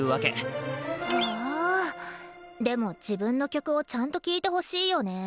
はぁでも自分の曲をちゃんと聴いてほしいよね。